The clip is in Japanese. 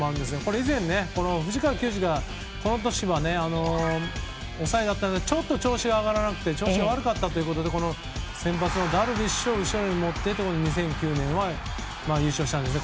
以前、藤川球児がこの年は抑えで、ちょっと調子が悪かったということで先発のダルビッシュを後ろに持っていって２００９年は優勝したんですね。